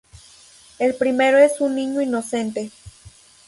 El primero es un niño inocente.